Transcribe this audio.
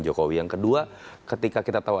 jokowi yang kedua ketika kita tahu